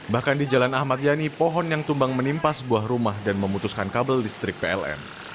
bahkan di jalan ahmad yani pohon yang tumbang menimpa sebuah rumah dan memutuskan kabel listrik pln